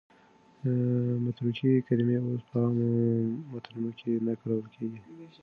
متروکې کلمې اوس په عامو متنونو کې نه کارول کېږي.